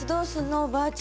おばあちゃん家。